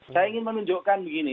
saya ingin menunjukkan begini